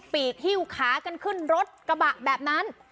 ปีกหิ้วขากันขึ้นรถกระบะแบบนั้น